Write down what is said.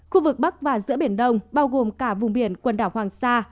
khu vực bắc và giữa biển đông bao gồm cả vùng biển quần đảo hoàng sa